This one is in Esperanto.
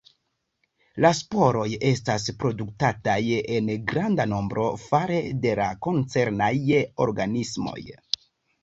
La sporoj estas produktataj en granda nombro fare de la koncernaj organismoj.